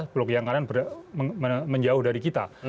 blok yang kanan menjauh dari kita